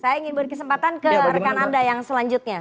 saya ingin beri kesempatan ke rekan anda yang selanjutnya